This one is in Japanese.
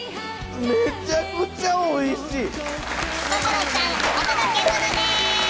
めちゃくちゃおいしい！